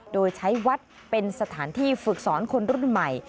โดยใช้วัดเป็นสถานที่ฝึกสอนคนรุ่นใหม่